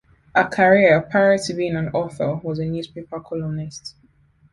Her career, prior to being an author, was a newspaper columnist.